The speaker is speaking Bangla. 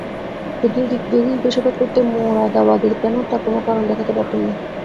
যদি জিজ্ঞাসা করতে মোরাদাবাদে কেন তার কোনোই কারণ দেখাতে পারতুম না।